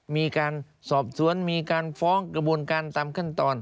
มีการสอบสวนมีการฟ้องกระบวนการตามขั้นตอน